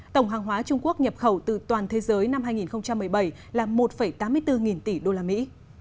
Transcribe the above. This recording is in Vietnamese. tổng hàng hóa trung quốc nhập khẩu từ toàn thế giới năm hai nghìn một mươi bảy là một tám mươi bốn nghìn tỷ đô la mỹ